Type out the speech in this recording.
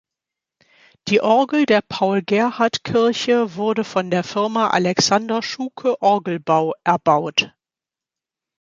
Die Orgel der Paul-Gerhardt-Kirche wurde von der Firma Alexander Schuke Orgelbau erbaut.